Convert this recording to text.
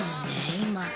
今。